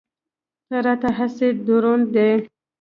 نه راته هسې دروند دی.